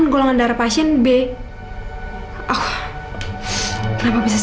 berarti narasan hurting different menurutmu priests